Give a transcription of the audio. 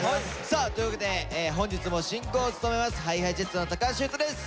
さあというわけで本日も進行を務めますＨｉＨｉＪｅｔｓの橋優斗です。